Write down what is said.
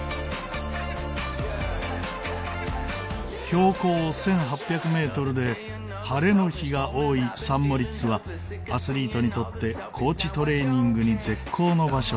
標高１８００メートルで晴れの日が多いサン・モリッツはアスリートにとって高地トレーニングに絶好の場所。